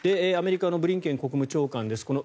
アメリカのブリンケン国務長官です。